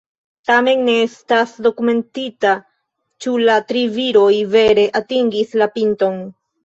Tamen ne estas dokumentita, ĉu la tri viroj vere atingis la pinton.